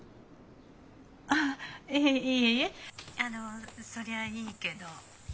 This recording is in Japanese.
☎あのそりゃいいけど。